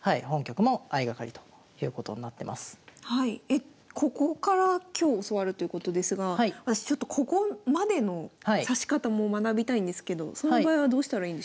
えっここから今日教わるということですが私ちょっとここまでの指し方も学びたいんですけどその場合はどうしたらいいんでしょうか？